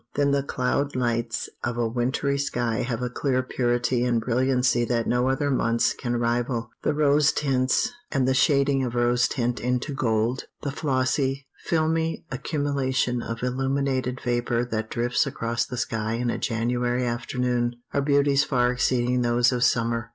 Then the cloud lights of a wintry sky have a clear purity and brilliancy that no other months can rival. The rose tints, and the shading of rose tint into gold, the flossy, filmy accumulation of illuminated vapor that drifts across the sky in a January afternoon, are beauties far exceeding those of summer.